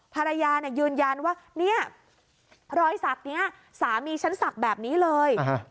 ภรรยายืนยันว่ารอยสักนี้สามีชั้นสักแบบนี้เลย